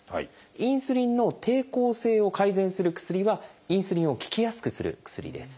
インスリンの抵抗性を改善する薬はインスリンを効きやすくする薬です。